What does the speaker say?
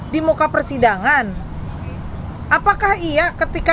baru banyak pengetahuan terakhir kali ini